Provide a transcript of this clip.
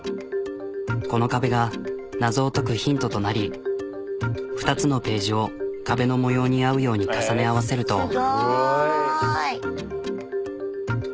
この壁が謎を解くヒントとなり２つのページを壁の模様に合うように重ね合わせると。